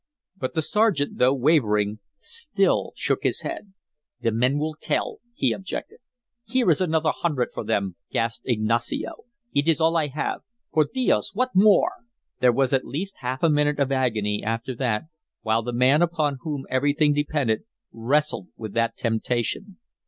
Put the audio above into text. But the sergeant, though wavering, still shook his head. "The men will tell," he objected. "Here is another hundred for them!" gasped Ignacio. "It is all I have. Por dios, what more?" There was at least half a minute of agony after that while the man upon whom everything depended wrestled with that temptation.